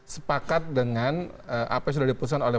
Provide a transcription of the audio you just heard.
sepakat dengan apa yang sudah diputuskan oleh